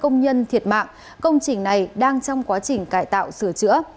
công nhân thiệt mạng công trình này đang trong quá trình cải tạo sửa chữa